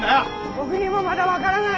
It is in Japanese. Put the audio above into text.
僕にもまだ分からない！